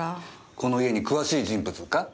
この家に詳しい人物か？